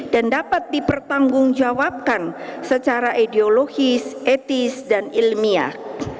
dan dapat dipertanggungjawabkan secara ideologis etis dan ilmiah